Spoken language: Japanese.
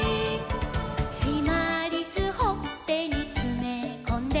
「しまりすほっぺにつめこんで」